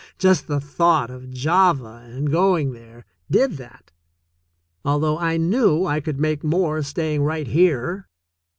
Just the thought of Java and going there did that, although I knew I could make more staying right here.